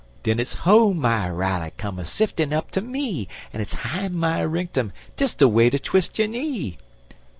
Den it's ho my Riley! Come a siftin' up ter me! En it's hi my rinktum! Dis de way ter twis' yo' knee!